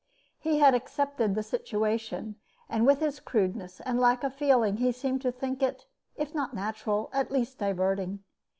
He had accepted the situation, and with his crudeness and lack of feeling he seemed to think it, if not natural, at least diverting.